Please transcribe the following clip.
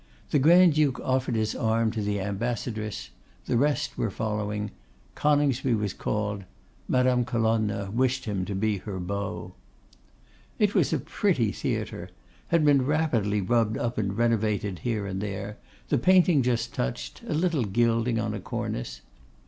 The Grand duke offered his arm to the Ambassadress; the rest were following; Coningsby was called; Madame Colonna wished him to be her beau. It was a pretty theatre; had been rapidly rubbed up and renovated here and there; the painting just touched; a little gilding on a cornice.